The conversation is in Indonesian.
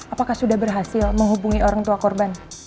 apakah sudah berhasil menghubungi orang tua korban